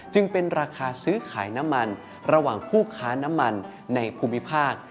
จึงเป็นราคาซื้อขายน้ำมันระหว่างผู้ค้าน้ำมันในภูมิภาค